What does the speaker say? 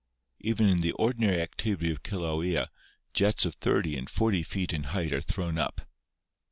Even in the ordinary activity of Kilauea jets of 30 and 40 feet in height are thrown up.